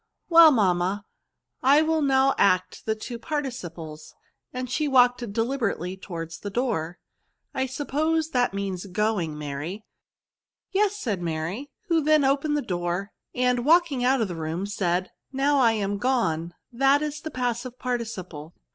" Well, mam ma, I will now act the two participles," and she walked deliberately towards the door. *' I suppose that means going , Mary." Yes," said Mary, who then opened the door, and, walking out of the room, said, Now I am gone ; that is the passive parti ciple."